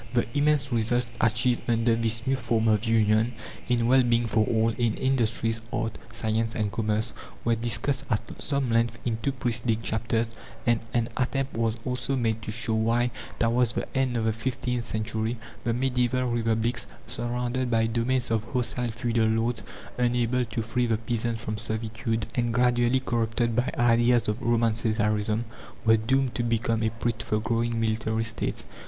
The immense results achieved under this new form of union in well being for all, in industries, art, science, and commerce were discussed at some length in two preceding chapters, and an attempt was also made to show why, towards the end of the fifteenth century, the medieval republics surrounded by domains of hostile feudal lords, unable to free the peasants from servitude, and gradually corrupted by ideas of Roman Caesarism were doomed to become a prey to the growing military States.